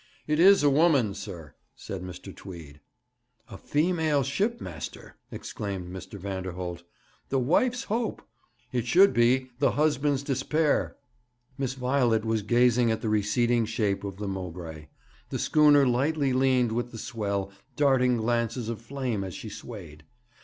'It is a woman, sir,' said Mr. Tweed. 'A female ship master,' exclaimed Mr. Vanderholt. 'The Wife's Hope! It should be the Husband's Despair.' Miss Violet was gazing at the receding shape of the Mowbray. The schooner lightly leaned with the swell, darting glances of flame as she swayed.